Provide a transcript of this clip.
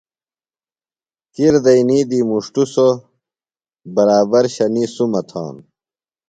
کِر دئنی دی مُݜٹوۡ سوۡ، برابر شنی سُمہ تھانوۡ